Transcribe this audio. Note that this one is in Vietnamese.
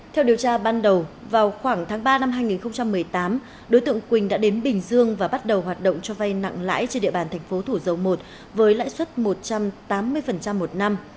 theo điều tra ban đầu vào khoảng tháng ba năm hai nghìn một mươi tám đối tượng quỳnh đã đến bình dương và bắt đầu hoạt động cho vay nặng lãi trên địa bàn thành phố thủ dầu một với lãi suất một trăm tám mươi một năm